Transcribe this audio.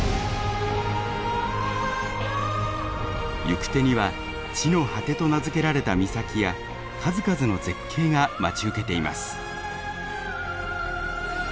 行く手には地の果てと名付けられた岬や数々の絶景が待ち受けています。